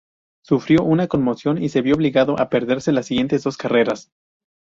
Sufrió una conmoción, y se vio obligado a perderse las siguientes dos carreras.